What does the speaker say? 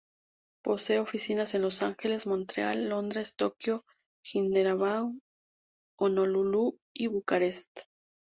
Posee oficinas en Los Ángeles, Montreal, Londres, Tokio, Hyderabad, Honolulu y Bucarest.